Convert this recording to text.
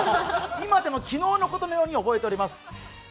今でも昨日のことのように覚えています。